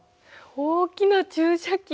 大きな注射器。